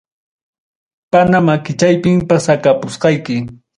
Pana makichaypim, pusakapusqayki.